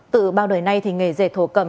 từ bao đời này thì nghề dệt thổ cầm